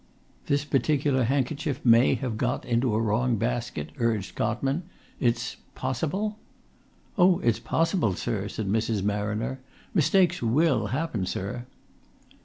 "This particular handkerchief may have got into a wrong basket?" urged Cotman. "It's possible?" "Oh, it's possible, sir," said Mrs. Marriner. "Mistakes will happen, sir."